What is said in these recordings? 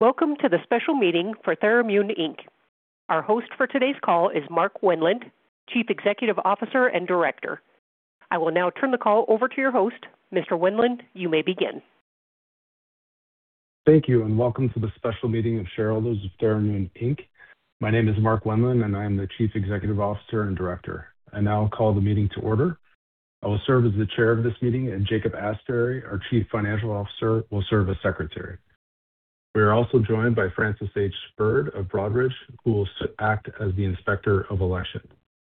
Welcome to the special meeting for Tharimmune, Inc. Our host for today's call is Mark Wendland, Chief Executive Officer and Director. I will now turn the call over to your host. Mr. Wendland, you may begin. Thank you, and welcome to the special meeting of shareholders of Tharimmune, Inc. My name is Mark Wendland, and I'm the Chief Executive Officer and Director. I now call the meeting to order. I will serve as the chair of this meeting, and Jacob Asbury, our Chief Financial Officer, will serve as Secretary. We are also joined by Francis H. Bird of Broadridge, who will act as the Inspector of Election.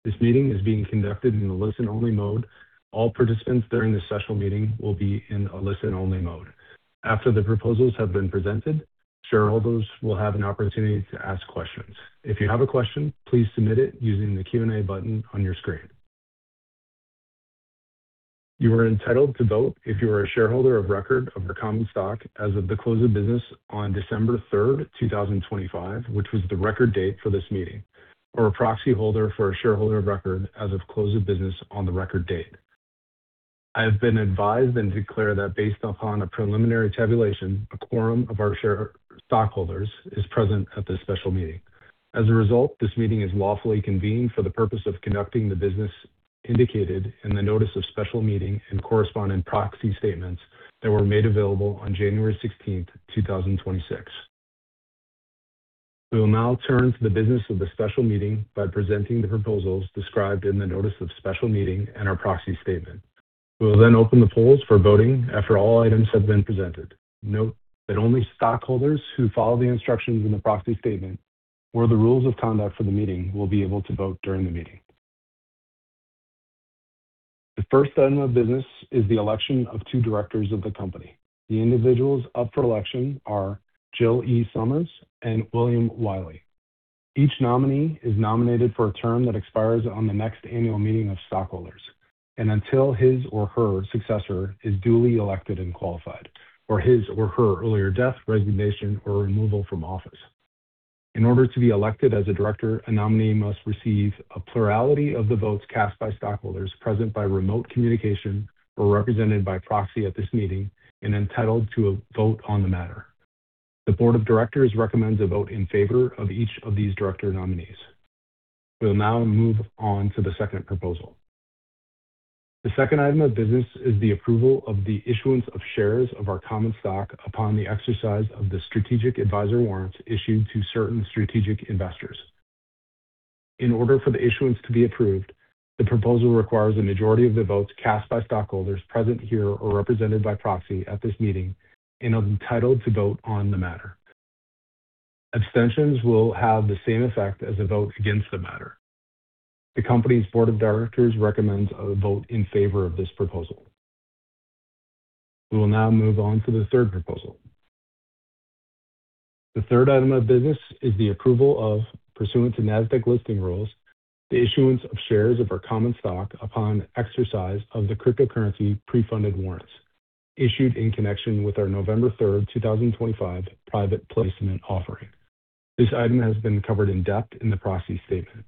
This meeting is being conducted in a listen-only mode. All participants during this special meeting will be in a listen-only mode. After the proposals have been presented, shareholders will have an opportunity to ask questions. If you have a question, please submit it using the Q&A button on your screen. You are entitled to vote if you are a shareholder of record of the common stock as of the close of business on December 3rd, 2025, which was the record date for this meeting, or a proxy holder for a shareholder of record as of close of business on the record date. I have been advised and declare that based upon a preliminary tabulation, a quorum of our shareholders is present at this special meeting. As a result, this meeting is lawfully convened for the purpose of conducting the business indicated in the notice of special meeting and corresponding proxy statements that were made available on January 16, 2026. We will now turn to the business of the special meeting by presenting the proposals described in the notice of special meeting and our proxy statement. We will then open the polls for voting after all items have been presented. Note that only stockholders who follow the instructions in the proxy statement or the rules of conduct for the meeting will be able to vote during the meeting. The first item of business is the election of two directors of the company. The individuals up for election are Jill E. Summers and William Wiley. Each nominee is nominated for a term that expires on the next annual meeting of stockholders, and until his or her successor is duly elected and qualified, or his or her earlier death, resignation, or removal from office. In order to be elected as a director, a nominee must receive a plurality of the votes cast by stockholders present by remote communication or represented by proxy at this meeting and entitled to a vote on the matter. The board of directors recommends a vote in favor of each of these director nominees. We'll now move on to the second proposal. The second item of business is the approval of the issuance of shares of our common stock upon the exercise of the Strategic Advisor Warrants issued to certain strategic investors. In order for the issuance to be approved, the proposal requires a majority of the votes cast by stockholders present here or represented by proxy at this meeting and are entitled to vote on the matter. Abstentions will have the same effect as a vote against the matter. The company's board of directors recommends a vote in favor of this proposal. We will now move on to the third proposal. The third item of business is the approval of, pursuant to Nasdaq listing rules, the issuance of shares of our common stock upon exercise of the Cryptocurrency Pre-Funded Warrants issued in connection with our November 3rd, 2025, private placement offering. This item has been covered in depth in the proxy statement.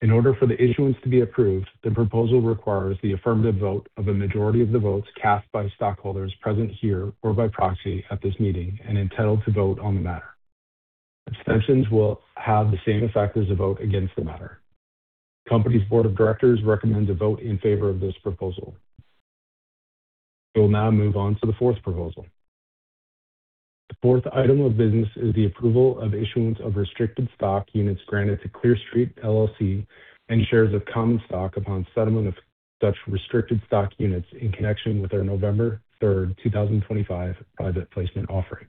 In order for the issuance to be approved, the proposal requires the affirmative vote of a majority of the votes cast by stockholders present here or by proxy at this meeting and entitled to vote on the matter. Abstentions will have the same effect as a vote against the matter. Company's board of directors recommend to vote in favor of this proposal. We will now move on to the fourth proposal. The fourth item of business is the approval of issuance of restricted stock units granted to Clear Street, LLC, and shares of common stock upon settlement of such restricted stock units in connection with our November 3rd, 2025, private placement offering.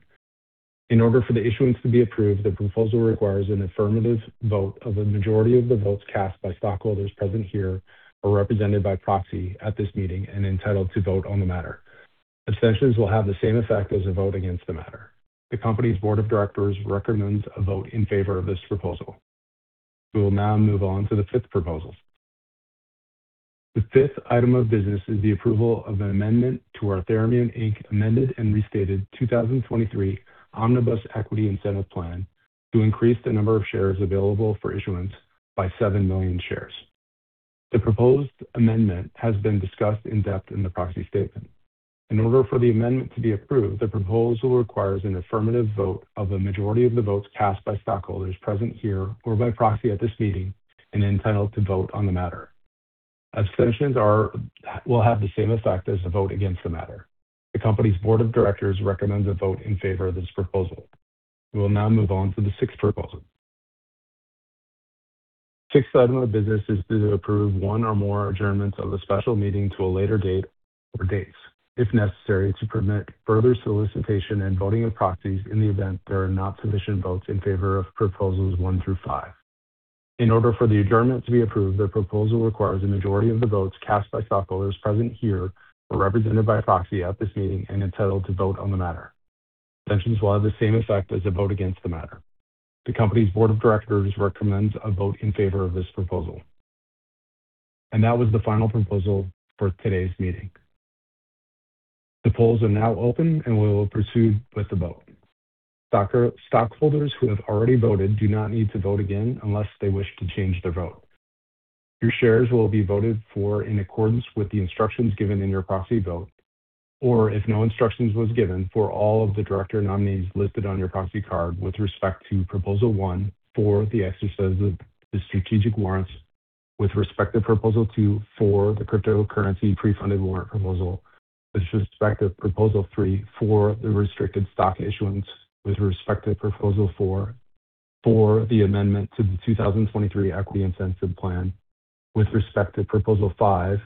In order for the issuance to be approved, the proposal requires an affirmative vote of a majority of the votes cast by stockholders present here or represented by proxy at this meeting and entitled to vote on the matter. Abstentions will have the same effect as a vote against the matter. The company's board of directors recommends a vote in favor of this proposal. We will now move on to the fifth proposal. The fifth item of business is the approval of an amendment to our Tharimmune, Inc. Amended and Restated 2023 Omnibus Equity Incentive Plan to increase the number of shares available for issuance by 7 million shares. The proposed amendment has been discussed in depth in the proxy statement. In order for the amendment to be approved, the proposal requires an affirmative vote of a majority of the votes cast by stockholders present here or by proxy at this meeting and entitled to vote on the matter. Abstentions will have the same effect as a vote against the matter. The company's board of directors recommends a vote in favor of this proposal. We will now move on to the sixth proposal. Sixth item of business is to approve one or more adjournments of the special meeting to a later date or dates, if necessary, to permit further solicitation and voting of proxies in the event there are not sufficient votes in favor of proposals one through five. In order for the adjournment to be approved, the proposal requires a majority of the votes cast by stockholders present here or represented by proxy at this meeting and entitled to vote on the matter. Abstentions will have the same effect as a vote against the matter. The company's board of directors recommends a vote in favor of this proposal, and that was the final proposal for today's meeting. The polls are now open, and we will proceed with the vote. Stockholders who have already voted do not need to vote again unless they wish to change their vote.... Your shares will be voted for in accordance with the instructions given in your proxy vote, or if no instructions was given, for all of the director nominees listed on your proxy card with respect to Proposal One for the exercise of the strategic warrants. With respect to Proposal Two, for the cryptocurrency pre-funded warrant proposal. With respect to Proposal Three, for the restricted stock issuance. With respect to Proposal Four, for the amendment to the 2023 Equity Incentive Plan. With respect to Proposal Five,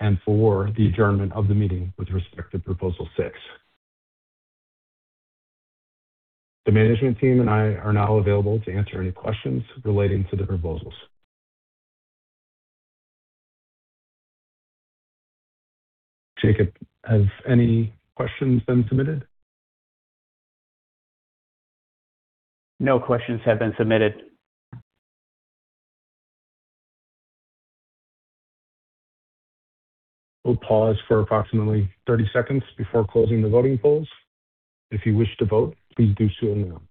and for the adjournment of the meeting with respect to Proposal Six. The management team and I are now available to answer any questions relating to the proposals. Jacob, have any questions been submitted? No questions have been submitted. We'll pause for approximately 30 seconds before closing the voting polls. If you wish to vote, please do so now.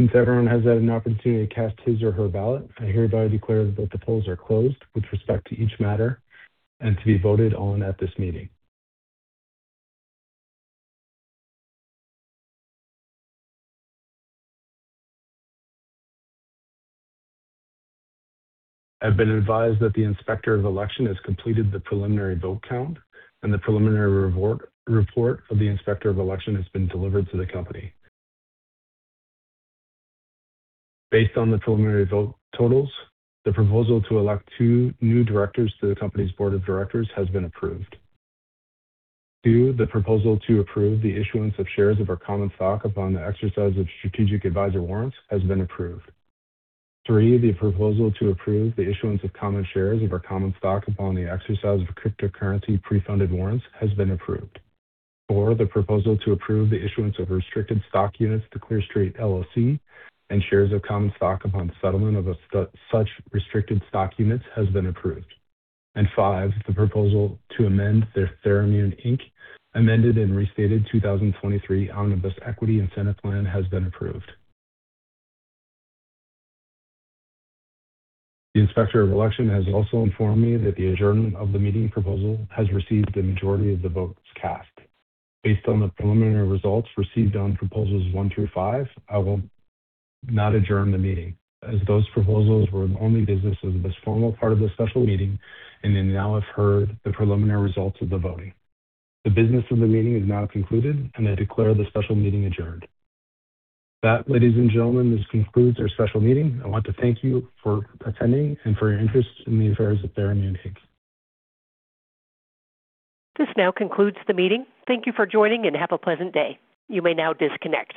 Since everyone has had an opportunity to cast his or her ballot, I hereby declare that the polls are closed with respect to each matter and to be voted on at this meeting. I've been advised that the Inspector of Election has completed the preliminary vote count, and the preliminary report of the Inspector of Election has been delivered to the company. Based on the preliminary vote totals, the proposal to elect two new directors to the company's board of directors has been approved. Two, the proposal to approve the issuance of shares of our common stock upon the exercise of Strategic Advisor Warrants has been approved. Three, the proposal to approve the issuance of common shares of our common stock upon the exercise of cryptocurrency pre-funded warrants has been approved. Four, the proposal to approve the issuance of restricted stock units to Clear Street, LLC, and shares of common stock upon the settlement of such restricted stock units has been approved. Five, the proposal to amend the Tharimmune, Inc. amended and restated 2023 Omnibus Equity Incentive Plan has been approved. The Inspector of Election has also informed me that the adjournment of the meeting proposal has received the majority of the votes cast. Based on the preliminary results received on Proposals 1 through 5, I will not adjourn the meeting, as those proposals were the only business of this formal part of the special meeting and then now have heard the preliminary results of the voting. The business of the meeting is now concluded, and I declare the special meeting adjourned. With that, ladies and gentlemen, this concludes our special meeting. I want to thank you for attending and for your interest in the affairs of Tharimmune, Inc. This now concludes the meeting. Thank you for joining, and have a pleasant day. You may now disconnect.